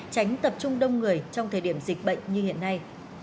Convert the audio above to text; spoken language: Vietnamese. tránh tập trung đông người trong thời điểm dịch bệnh như hiện nay